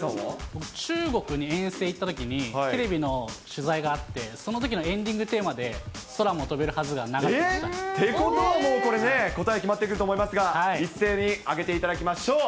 僕、中国に遠征行ったときに、テレビの取材があって、そのときのエンディングテーマで、え？ってことはもうこれね、答え決まってくると思いますが、一斉に上げていただきましょう。